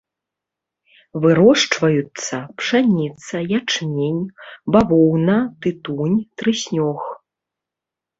Вырошчваюцца пшаніца, ячмень, бавоўна, тытунь, трыснёг.